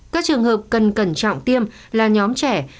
các trường hợp cần cẩn trọng tiêm là nhóm trẻ